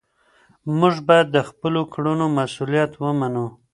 موږ باید د خپلو کړنو مسؤلیت ومنو.